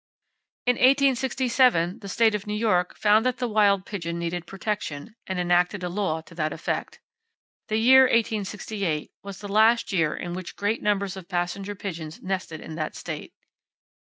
In 1867, the State of New York found that the wild pigeon needed protection, and enacted a law to that effect. The year 1868 was the last year in which great numbers of passenger pigeons nested in that State.